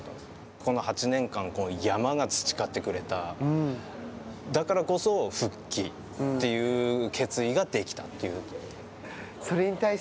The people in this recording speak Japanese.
この８年間、山が培ってくれた、だからこそ、復帰という決意ができたということです。